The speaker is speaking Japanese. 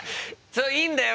いいんだよ